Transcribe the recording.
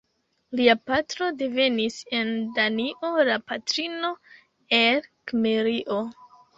Lia patro devenis en Danio, la patrino el Kimrio.